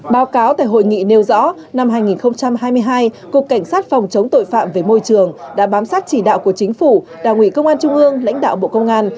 báo cáo tại hội nghị nêu rõ năm hai nghìn hai mươi hai cục cảnh sát phòng chống tội phạm về môi trường đã bám sát chỉ đạo của chính phủ đảng ủy công an trung ương lãnh đạo bộ công an